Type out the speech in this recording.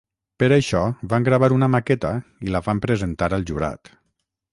Per això van gravar una maqueta i la van presentar al jurat.